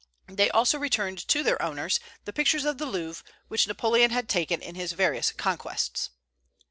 They also returned to their owners the pictures of the Louvre which Napoleon had taken in his various conquests.